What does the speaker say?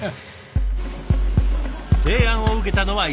提案を受けたのは１年前。